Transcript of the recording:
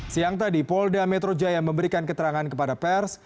siang tadi polda metro jaya memberikan keterangan kepada pers